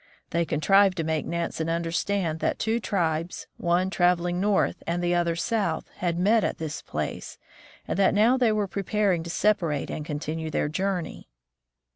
They contrived to make Nansen understand that two tribes, one traveling north and the other south, had met at this place, and that now they were preparing to separate and continue their journey.